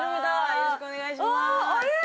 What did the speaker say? よろしくお願いしますあっ！